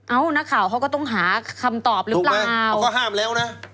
เอ้านักข่าวเขาก็ต้องหาคำตอบหรือเปล่าถูกไหมเขาห้ามแล้วนะ